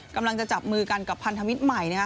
กำลังจะจับมือกันกับพันธมิตรใหม่